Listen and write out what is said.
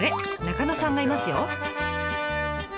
中野さんがいますよ。